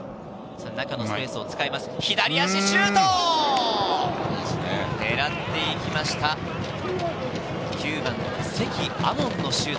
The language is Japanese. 中のスペースを使います、左足シュート！